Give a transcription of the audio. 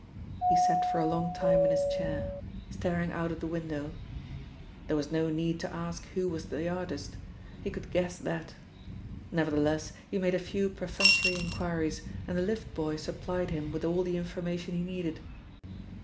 He sat for a long time in his chair, staring out of the window. There was no need to ask who was the artist. He could guess that. Nevertheless, he made a few perfunctory inquiries, and the lift boy supplied him with all the information he needed.